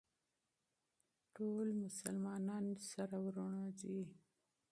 ټول مسلمانان وروڼه دي.